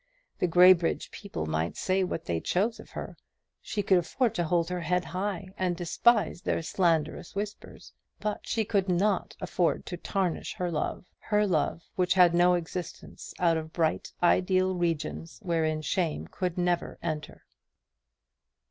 The Graybridge people might say what they chose of her: she could afford to hold her head high and despise their slanderous whispers: but she could not afford to tarnish her love her love which had no existence out of bright ideal regions wherein shame could never enter.